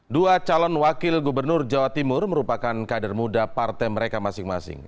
dua calon wakil gubernur jawa timur merupakan kader muda partai mereka masing masing